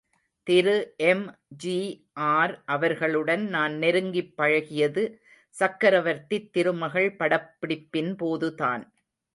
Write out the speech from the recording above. திரு எம்.ஜி.ஆர். அவர்களுடன் நான் நெருங்கிப் பழகியது சக்ரவர்த்தித் திருமகள் படப்பிடிப்பின் போதுதான்.